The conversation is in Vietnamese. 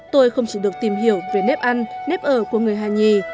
tôi không chỉ được tìm hiểu về nếp ăn nếp ở của người hà nhì